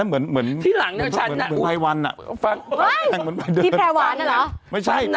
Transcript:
เหมือนเป็นพีไปรวรรณศ์อะ